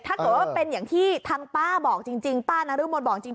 ถ้าเกิดว่าเป็นอย่างที่ทางป้าบอกจริงป้านรมนบอกจริง